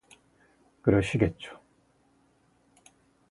그러시겠죠.